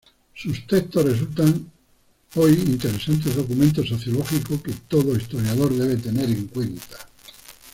Sus textos resultan hoy interesantes documentos sociológicos que todo historiador debe tener en cuenta.